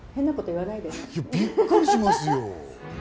びっくりしますよ。